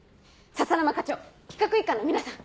笹沼課長企画一課の皆さん